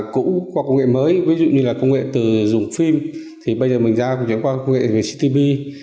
cũ qua công nghệ mới ví dụ như là công nghệ từ dùng phim bây giờ mình ra chuyển qua công nghệ về ctp